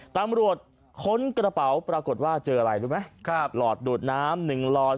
ตำรวจค้นกระเป๋าปรากฏว่าเจออะไรรู้ไหมครับหลอดดูดน้ำหนึ่งหลอด